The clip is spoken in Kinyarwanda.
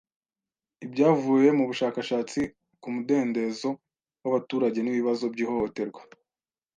Ibyavuye mu bushakashatsi k mudendezo w abaturage n ibibazo by ihohoterwa